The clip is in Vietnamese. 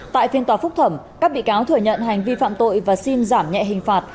tại phiên tòa phúc thẩm các bị cáo thừa nhận hành vi phạm tội và xin giảm nhẹ hình phạt